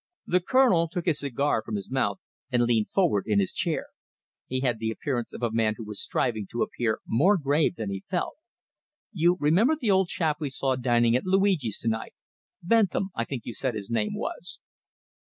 The Colonel took his cigar from his mouth, and leaned forward in his chair. He had the appearance of a man who was striving to appear more grave than he felt. "You remember the old chap we saw dining at Luigi's to night Bentham, I think you said his name was?"